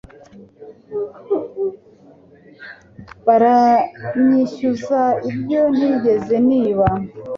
baranyishyuza ibyo ntigeze niba